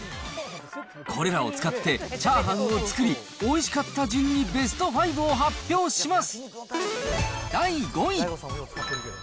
これらを使ってチャーハンを作り、おいしかった順にベスト５を発表します。